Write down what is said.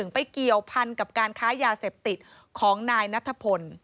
ไปเกี่ยวพันกับการค้ายาเสพติดของนายนัทพล